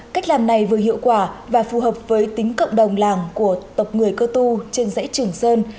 cách làm này vừa hiệu quả và phù hợp với tính cộng đồng làng của tộc người cơ tu trên dãy trường sơn